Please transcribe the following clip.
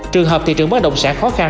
trường hợp thị trường bất động sản khó khăn